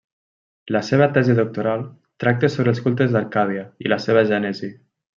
La seva tesi doctoral tracta sobre els cultes d'Arcàdia i la seva gènesi.